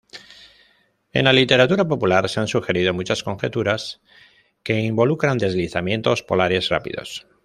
En la literatura popular se han sugerido muchas conjeturas que involucran deslizamientos polares rápidos.